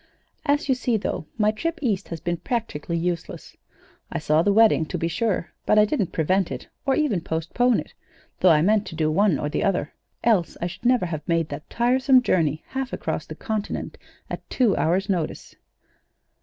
As you see, though, my trip East has been practically useless. I saw the wedding, to be sure, but I didn't prevent it, or even postpone it though I meant to do one or the other, else I should never have made that tiresome journey half across the continent at two hours' notice.